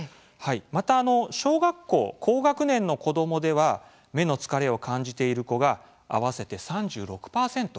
また小学校、高学年の子どもでは目の疲れを感じている子が合わせて３６％いたんです。